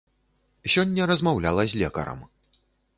Сёння размаўляла з лекарам.